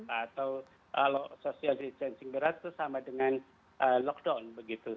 atau kalau social distancing berat itu sama dengan lockdown begitu